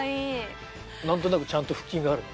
なんとなくちゃんと腹筋があるね。